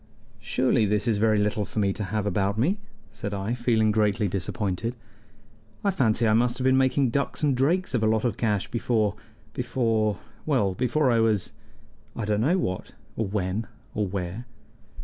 "Surely this is very little for me to have about me!" said I, feeling greatly disappointed. "I fancy I must have been making ducks and drakes of a lot of cash before before well, before I was I don't know what, or when, or where."